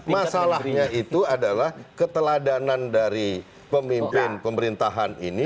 masalahnya itu adalah keteladanan dari pemimpin pemerintahan ini